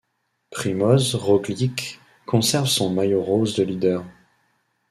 Primož Roglič conserve son maillot rose de leader.